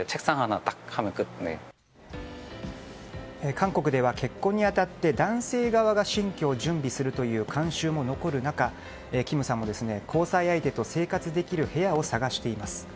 韓国では結婚に当たって男性側が新居を準備するという慣習も残る中キムさんは、交際相手と生活できる部屋を探しています。